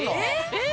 えっ！？